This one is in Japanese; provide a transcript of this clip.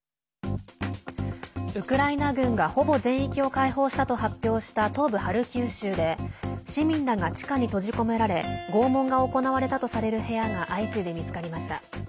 ウクライナ軍がほぼ全域を解放したと発表した東部ハルキウ州で市民らが地下に閉じ込められ拷問が行われたとされる部屋が相次いで見つかりました。